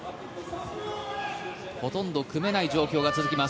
ほとんど組めない状況が続きます。